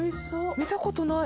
見たことない。